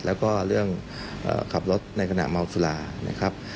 แล้วก็เรื่องขับรถในขณะเมาสุรา